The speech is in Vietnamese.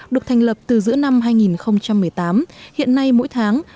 được thành lập từ giữa năm hai nghìn một mươi tám hiện nay mỗi tháng